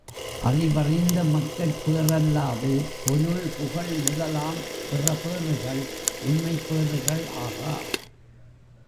அறிவறிந்த மக்கட்பேறல்லாது, பொருள், புகழ் முதலாம் பிற பேறுகள் உண்மைப் பேறுகள் ஆகா.